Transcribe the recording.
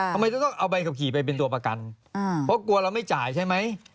ทำไมต้องเอาใบขับขี่ไปเป็นตัวประกันเพราะกลัวเราไม่จ่ายใช่ไหม